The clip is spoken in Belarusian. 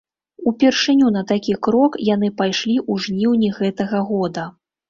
Упершыню на такі крок яны пайшлі ў жніўні гэтага года.